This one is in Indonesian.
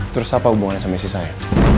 terus apa hubungannya sama si saya